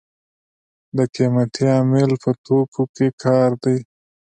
د قیمتۍ عامل په توکو کې کار دی.